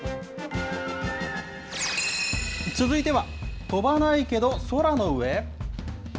続いては、飛ばないけど空の上？